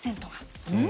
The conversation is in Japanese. うん。